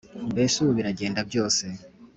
mbese ubu biragenda byose